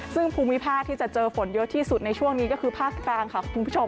ซึ่งภูมิภาคที่จะเจอฝนเยอะที่สุดในช่วงนี้ก็คือภาคกลางค่ะคุณผู้ชม